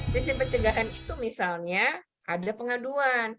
sistem pencegahan itu misalnya ada pengaduan